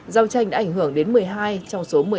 giao tranh đã ảnh hưởng đến một mươi hai trong suốt ngày